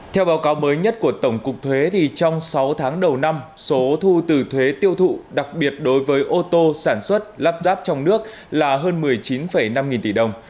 theo báo cáo mới nhất của tổng cục thuế trong sáu tháng đầu năm số thu từ thuế tiêu thụ đặc biệt đối với ô tô sản xuất lắp ráp trong nước là hơn một mươi chín năm nghìn tỷ đồng